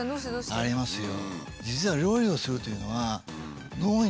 ありますよ。